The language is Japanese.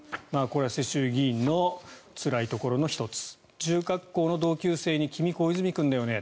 これは世襲議員のつらいところの１つ中学校の同級生に君、小泉君だよね